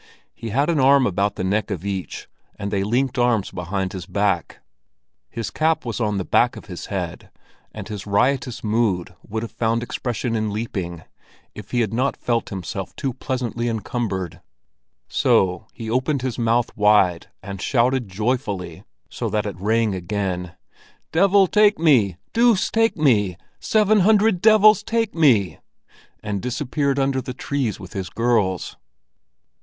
He had an arm about the neck of each, and they linked arms behind his back. His cap was on the back of his head, and his riotous mood would have found expression in leaping, if he had not felt himself too pleasantly encumbered; so he opened his mouth wide, and shouted joyfully, so that it rang again: "Devil take me! Deuce take me! Seven hundred devils take me!" and disappeared under the trees with his girls.